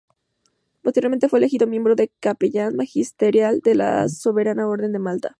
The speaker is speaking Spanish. Posteriormente fue elegido miembro y capellán magisterial de la Soberana Orden de Malta.